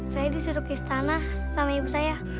saya disuruh ke istana sama ibu saya